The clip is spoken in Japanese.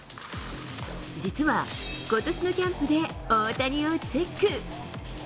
実は、ことしのキャンプで大谷をチェック。